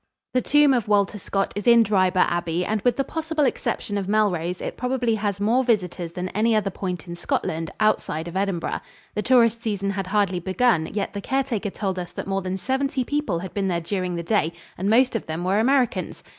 The tomb of Walter Scott is in Dryburgh Abbey, and with the possible exception of Melrose it probably has more visitors than any other point in Scotland outside of Edinburgh. The tourist season had hardly begun, yet the caretaker told us that more than seventy people had been there during the day and most of them were Americans.